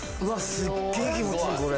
すっげえ気持ちいいこれ。